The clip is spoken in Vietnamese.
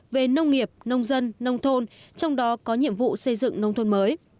về nông nghiệp nông dân nông thôn trong đó có nhiệm vụ xây dựng nông thôn mới